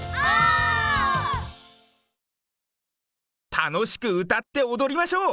たのしくうたっておどりましょう。